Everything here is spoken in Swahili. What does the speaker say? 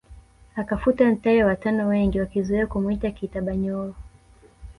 Akafuta Ntare wa tano wengi wakizoea kumuita Kiitabanyoro